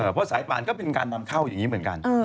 เพราะสายป่านก็เป็นการนำเข้าอย่างนี้เหมือนกัน